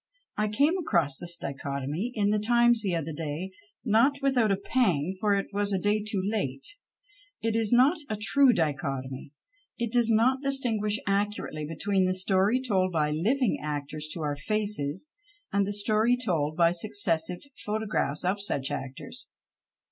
I came across this dichotomy in The Times the other day, not without a pang, for it was a day too late. It is not a true dichotomy. It does not distinguish accurately between the story told by living actors to our faces and the story told by successive photo graphs of such actors.